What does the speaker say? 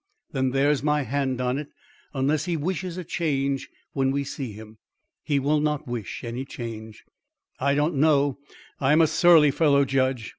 "Then, there's my hand on it, unless he wishes a change when we see him." "He will not wish any change." "I don't know. I'm a surly fellow, judge.